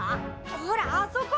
ほらあそこ！